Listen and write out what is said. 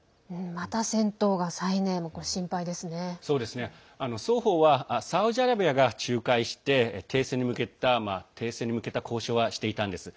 また戦闘が再燃双方はサウジアラビアが仲介して停戦に向けた交渉はしていたんです。